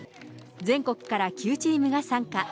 全国から９チームが参加。